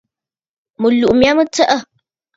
Mɨ̀tlùʼù mya mə tsəʼə̂.